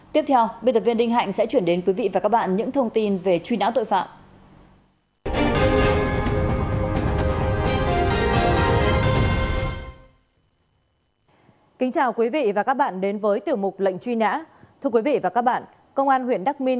tiếp theo biên tập viên đinh hạnh sẽ chuyển đến quý vị và các bạn những thông tin về truy nã tội phạm